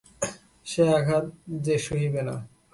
সে আঘাত যে সহিবে না।